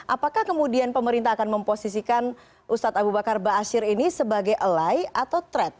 apakah kemudian pemerintah akan memposisikan ustaz abu bakar basir ini sebagai ally atau threat